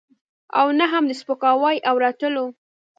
او نه هم د سپکاوي او رټلو.